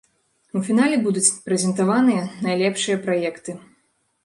У фінале будуць прэзентаваныя найлепшыя праекты.